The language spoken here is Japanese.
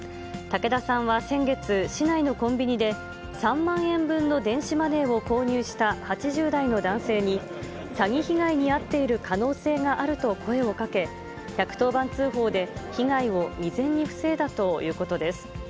武田さんは先月、市内のコンビニで、３万円分の電子マネーを購入した８０代の男性に、詐欺被害に遭っている可能性があると声をかけ、１１０番通報で被害を未然に防いだということです。